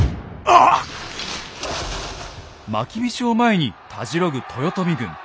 まきびしを前にたじろぐ豊臣軍。